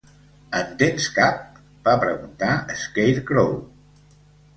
En tens cap? va preguntar Scarecrow.